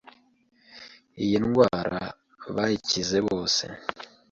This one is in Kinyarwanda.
iyi ndwara bayikize bose